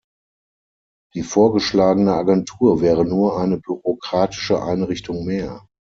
Die vorgeschlagene Agentur wäre nur eine bürokratische Einrichtung mehr.